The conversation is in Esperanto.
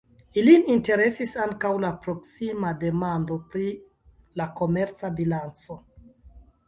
Ilin interesis ankaŭ la proksima demando pri la komerca bilanco.